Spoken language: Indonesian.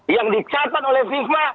yang dicatat oleh viva